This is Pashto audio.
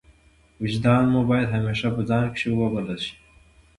وجدان مو باید همېشه په ځان کښي وبلل سي.